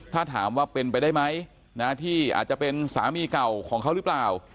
ถ้าถามว่าเป็นไปได้ไหมที่อาจจะเป็นสามีเก่าของเขาหรือเปล่า